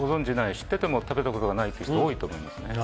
知ってても食べたことない人多いと思いますね。